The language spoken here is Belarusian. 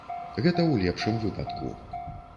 Гэта ў лепшым выпадку.